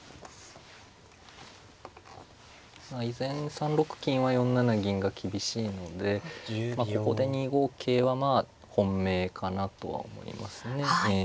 依然３六金は４七銀が厳しいのでまあここで２五桂はまあ本命かなとは思いますね。